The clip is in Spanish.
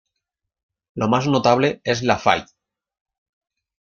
Lo más notable es la "Fight!